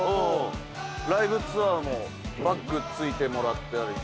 ライブツアーのバックついてもらったりして。